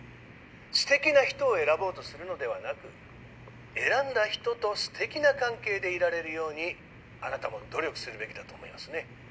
素敵な人を選ぼうとするのではなく選んだ人と素敵な関係でいられるようにあなたも努力するべきだと思いますね。